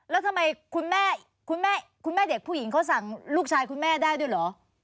แล้วทำไมคุณแม่คุณแม่เด็กผู้หญิงเขาสั่งลูกชายคุณแม่ได้ด้วยเหรอ